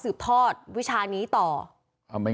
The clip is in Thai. คือไม่ห่วงไม่หาวแล้วไป